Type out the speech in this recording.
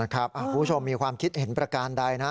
คุณผู้ชมมีความคิดเห็นประการใดนะ